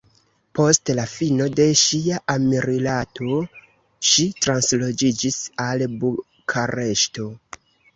Post la fino de ŝia amrilato, ŝi transloĝiĝis al Bukareŝto.